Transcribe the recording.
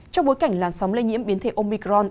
trong bối cảnh làn sóng lây nhiễm biến thể omicron